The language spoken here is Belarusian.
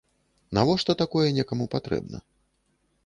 Навошта такое некаму патрэбна?